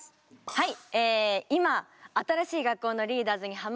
はい。